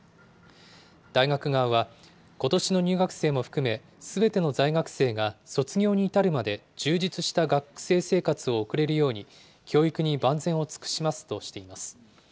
大学側は、ことしの入学生も含め、すべての在学生が卒業に至るまで充実した学生生活を送れるように、教育に万全を尽くしますとしています。